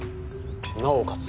なおかつ